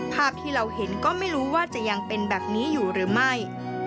ภาพที่เราเห็นก็ไม่รู้ว่าจะยังเป็นแบบนี้อยู่หรือไม่